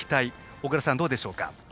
小倉さん、どうでしょうか。